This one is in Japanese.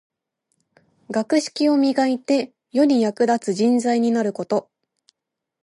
学識を磨いて、世に役立つ人材になること。